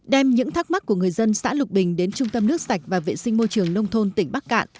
đem những thắc mắc của người dân xã lục bình đến trung tâm nước sạch và vệ sinh môi trường nông thôn tỉnh bắc cạn